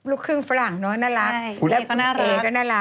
ลูกครึ่งฝรั่งเนอะน่ารักแล้วก็น่ารัก